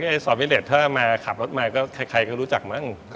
เกียรติศาสตร์มิลเลสถ้ามาขับรถมาก็ใครก็รู้จักมั้ง